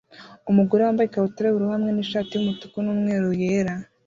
Umugore wambaye ikabutura yubururu hamwe nishati yumutuku numweru yera